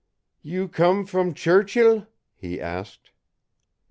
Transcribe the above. "You come from Churchill?" he asked.